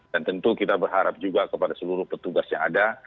dan tentu kita berharap juga kepada seluruh petugas yang ada